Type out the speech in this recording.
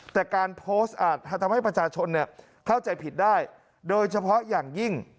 แต่การโพสต์อาจทำให้ประชาชนเข้าใจผิดได้โดยเฉพาะอย่างยิ่ง